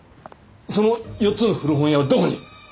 その４つの古本屋はどこに？